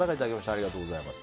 ありがとうございます。